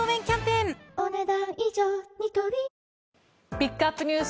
ピックアップＮＥＷＳ